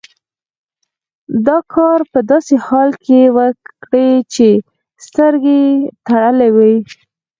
دا کار په داسې حال کې وکړئ چې سترګې یې تړلې وي.